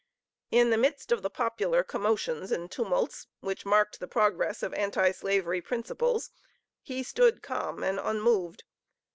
In the midst of the popular commotions and tumults, which marked the progress of Anti slavery principles, he stood calm and unmoved.